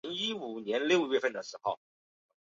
莫尔帕拉是巴西巴伊亚州的一个市镇。